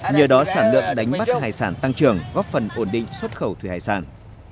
nhờ đó sản lượng đánh bắt hải sản tăng trưởng góp phần ổn định xuất khẩu thủy hải sản